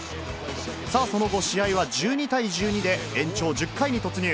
さあ、その後、試合は１２対１２で、延長１０回に突入。